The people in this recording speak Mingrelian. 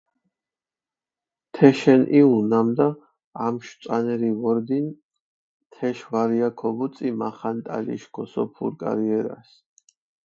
თეშენ იჸუ, ნამდა ამშვ წანერი ვორდინ თეშ ვარია ქოვუწი მახანტალიშ გოსოფურ კარიერას.